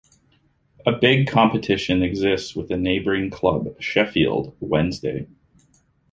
A big competition exists with the neighboring club, Sheffield Wednesday.